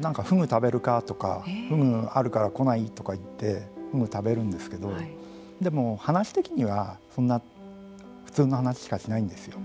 何かふぐ食べるかとかふぐあるから来ない？とか言ってふぐ食べるんですけどでも話的にはそんな普通の話しかしないんですよ。